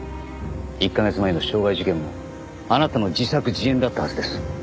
１カ月前の傷害事件もあなたの自作自演だったはずです。